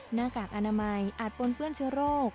หน้ากากอนามัยอาจปนเปื้อนเชื้อโรค